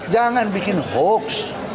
jangan bikin hoax